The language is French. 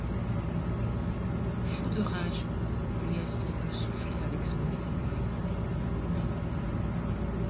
Fou de rage, il lui assène un soufflet avec son éventail.